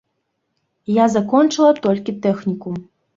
Я закончыла толькі тэхнікум.